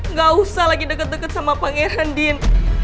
nggak usah lagi deket deket sama pangeran din